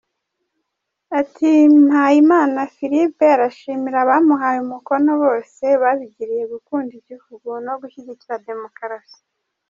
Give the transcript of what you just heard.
Ati “Mpayimana Philippe arashimira abamuhaye umukono bose, babigiriye gukunda igihugu no gushyigikira demokarasi.